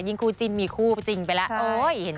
ยิ่งครูจินมีคู่จริงไปแล้วโอ๊ยเห็นจังจริง